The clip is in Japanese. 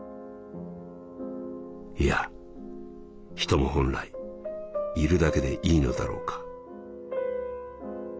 「いや人も本来いるだけでいいのだろうか」。